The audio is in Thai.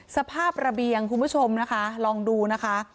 สภาพระเบียงคุณผู้ชมนะคะลองดูนะคะ